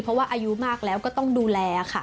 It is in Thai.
เพราะว่าอายุมากแล้วก็ต้องดูแลค่ะ